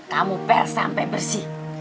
kamu pl sampai bersih